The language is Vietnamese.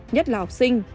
nhất là học sinh